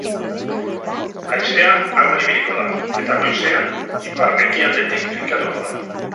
Haizea ahul ibiliko da eta goizean ipar-ekialdetik finkatuko da.